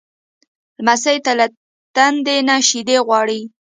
لمسی له تندې نه شیدې غواړي.